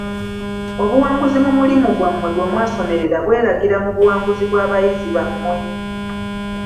Obuwanguzi mu mulimu gwammwe gwe mwasomerera bweragira mu buwanguzi bwa bayizi bammwe.